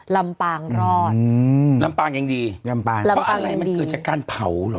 ลำปางรอดอืมลำปางยังดีลำปางรอดเพราะอะไรมันเกิดจากการเผาเหรอ